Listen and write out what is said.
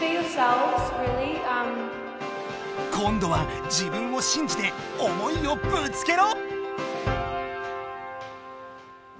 今度は自分を信じて思いをぶつけろ！